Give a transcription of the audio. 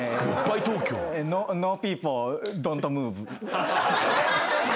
ノーピーポードントムーブ。